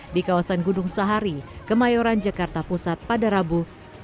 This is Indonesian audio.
di kawasan gunung sahari kemayoran jakarta pusat padarabu